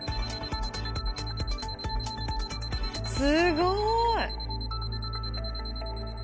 すごい！